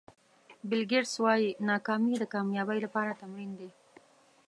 بیل ګېټس وایي ناکامي د کامیابۍ لپاره تمرین دی.